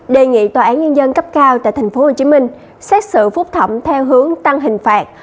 đề nghị tòa án nhân dân cấp cao tại tp hcm xét xử phúc thẩm theo hướng tăng hình phạt